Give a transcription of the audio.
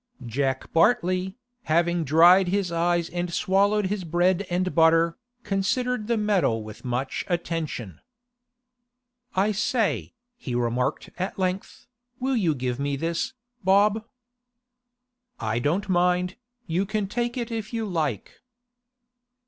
Jack Bartley, having dried his eyes and swallowed his bread and butter, considered the medal with much attention. 'I say,' he remarked at length, 'will you give me this, Bob?' 'I don't mind, You can take it if you like.